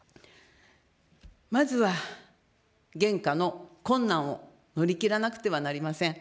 まずは現下の困難を乗り切らなくてはなりません。